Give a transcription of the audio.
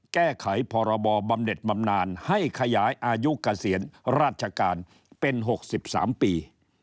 แก้ไขพรบบำเด็ดบำนานให้ขยายอายุเกษียณราชการเป็น๖๓ปี